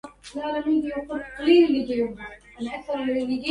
مستعبد هيهات إعتاقه